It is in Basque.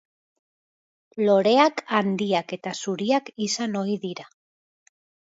Loreak handiak eta zuriak izan ohi dira.